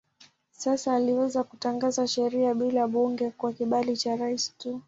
Sasa aliweza kutangaza sheria bila bunge kwa kibali cha rais tu.